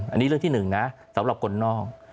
อันนี้เรื่องที่หนึ่งนะสำหรับคนนอก